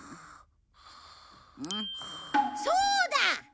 そうだ！